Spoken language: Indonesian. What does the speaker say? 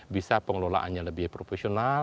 bisa pengelolaannya lebih profesional